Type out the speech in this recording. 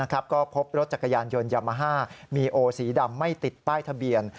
ก็พบรถจักรยานยนต์ยามาฮ่ามีโอสีดำไม่ติดป้ายทะเบียน